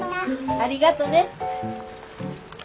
ありがとね。